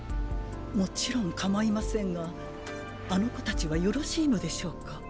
もちろん構いませんがあの子たちはよろしいのでしょうか？